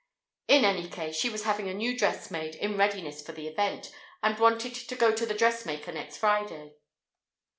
In any case, she was having a new dress made, in readiness for the event, and wanted to go to the dressmaker next Friday.